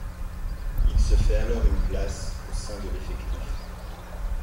Il se fait alors une place au sein de l'effectif.